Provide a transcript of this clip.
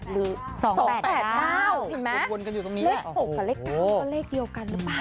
เห็นไหมเลข๖กับเลข๙มันก็เลขเดียวกันหรือเปล่า